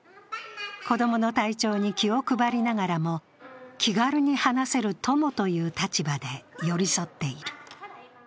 子供の体調に気を配りながらも、気軽に話せる友という立場で寄り添っている。